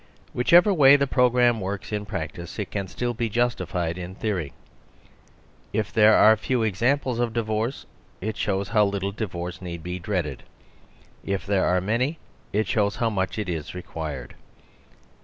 Whichever way the programme works in practice, it can still be justified in theory. If there are few examples of divorce, it shows how little divorce need be dreaded; if there are many, it shows how much it is required.